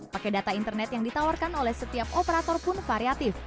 pakai data internet yang ditawarkan oleh setiap operator pun variatif